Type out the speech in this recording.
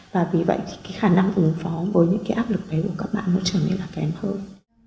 và vì vậy khả năng ứng phó với những áp lực đấy của các bạn nó trở nên là kém hơn